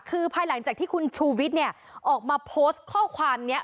คือภายหลังจากที่คุณชูวิทย์เนี่ยออกมาโพสต์ข้อความนี้